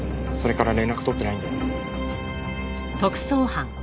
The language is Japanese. それから連絡取ってないんで。